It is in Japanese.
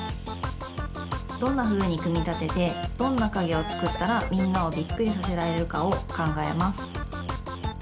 どんなふうにくみたててどんなかげをつくったらみんなをびっくりさせられるかをかんがえます。